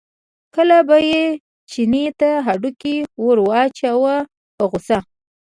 کله به یې چیني ته هډوکی ور واچاوه په غوسه.